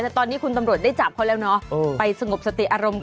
แต่ตอนนี้คุณตำรวจได้จับเขาแล้วเนาะไปสงบสติอารมณ์ก่อน